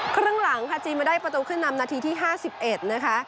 ครึ่งหลังค่ะจีนมาได้ประตูขึ้นนำนาทีที่๕๑นะคะ